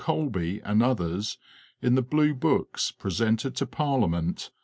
Colby and others in the Blue Books presented to Parliament—1850 1860.